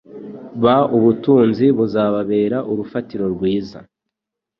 b ubutunzi buzababera urufatiro rwiza